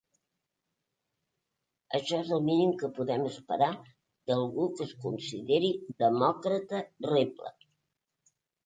Això és el mínim que podem esperar d’algú que es consideri demòcrata, rebla.